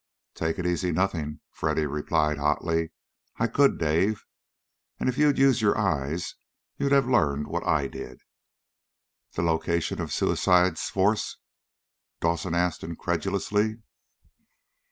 "Take it easy, nothing!" Freddy replied hotly. "I could, Dave. And if you'd used your eyes, you'd have learned what I did!" "The the location of Suicide's force?" Dawson asked incredulously.